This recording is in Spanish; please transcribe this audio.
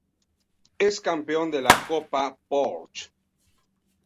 Es campeón de la Copa Porsche.